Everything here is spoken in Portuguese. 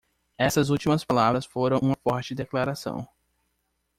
Essas últimas palavras foram uma forte declaração.